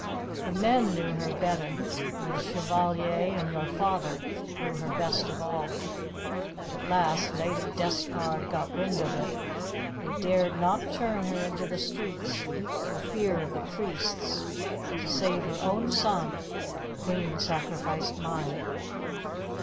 The men knew her better, and the Chevalier and your father knew her best of all. But at last Lady Despard got wind of it. They dared not turn her into the streets for fear of the priests, and to save her own son the Queen sacrificed mine."